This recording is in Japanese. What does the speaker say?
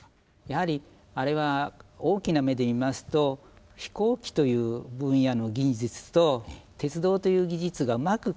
やはりあれは大きな目で見ますと飛行機という分野の技術と鉄道という技術がうまく